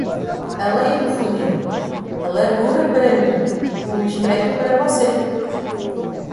A lei do funil: a largura para mim, o estreito para você.